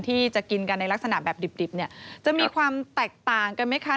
ที่จะกินกันในลักษณะแบบดิบเนี่ยจะมีความแตกต่างกันไหมคะ